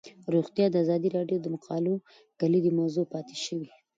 روغتیا د ازادي راډیو د مقالو کلیدي موضوع پاتې شوی.